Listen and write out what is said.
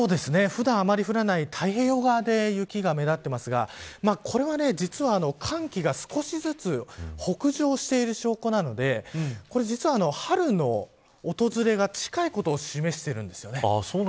普段あまり降らない太平洋側で雪が目立っていますがこれは、実は寒気が少しずつ北上している証拠なので実は、春の訪れが近いことを示しているんです。